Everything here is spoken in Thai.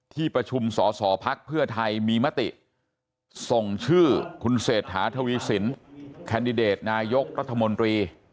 ที่ประชุมสอสอพักเพื่อไทยมีมติส่งชื่อคุณเศรษฐาทวีสินแคนดิเดตนายกรัฐมนตรี